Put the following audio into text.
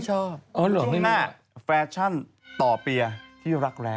ช่วงหน้าแฟชั่นต่อเปียที่รักแร้